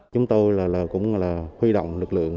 chúng tôi cũng huy động lực lượng